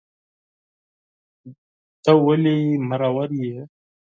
ته ولي مرور یې